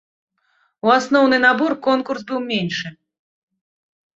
У асноўны набор конкурс быў меншы.